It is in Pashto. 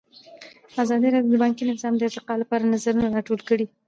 ازادي راډیو د بانکي نظام د ارتقا لپاره نظرونه راټول کړي.